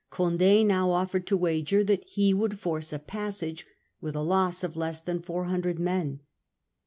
Condd now offered to wager that he would force a passage with a loss of less than four hundred men.